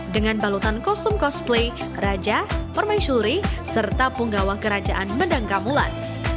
dengan balutan kostum cosplay raja permaisuri serta punggawa kerajaan medang kamulan